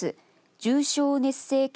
重症熱性血